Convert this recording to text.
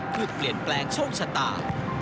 เพื่อเปลี่ยนแปลงโชคชะตา